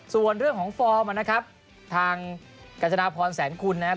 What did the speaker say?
ส่วนเรื่องของฟอร์มนะครับทางกัญจนาพรแสนคุณนะครับ